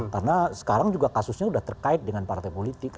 karena sekarang juga kasusnya sudah terkait dengan partai politik